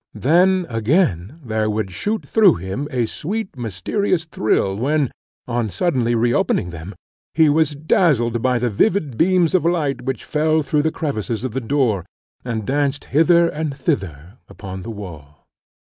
Then, again, there would shoot through him a sweet mysterious thrill when, on suddenly re opening them, he was dazzled by the vivid beams of light which fell through the crevices of the door, and danced hither and thither upon the wall.